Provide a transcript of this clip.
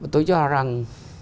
tôi cho rằng